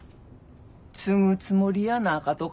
継ぐつもりやなかとか？